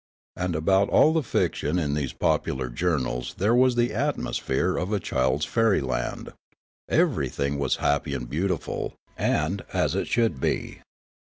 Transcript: And about all the fiction in these popular jour nals there was the atmcsphere of a child's fairyland ; everything was happy and beautiful and as it should be.